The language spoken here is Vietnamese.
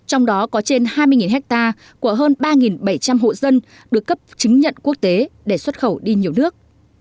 trong đó có trên hai mươi ha của hơn ba bảy trăm linh hộ dân được cấp chứng nhận quốc tế để xuất khẩu đi nhiều nước